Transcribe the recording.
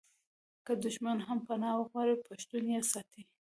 که دښمن هم پنا وغواړي پښتون یې ساتي.